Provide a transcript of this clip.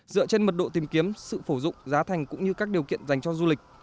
dựa trên mật độ tìm kiếm sự phổ dụng giá thành cũng như các điều kiện dành cho du lịch